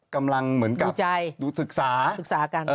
กำลังเหมือนกับดูศึกษาศึกษากัน